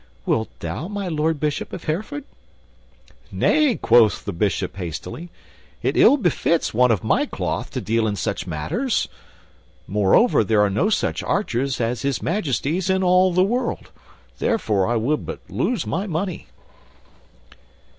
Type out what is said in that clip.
Wilt thou, my Lord Bishop of Hereford?" "Nay," quoth the Bishop hastily, "it ill befits one of my cloth to deal in such matters. Moreover, there are no such archers as His Majesty's in all the world; therefore I would but lose my money.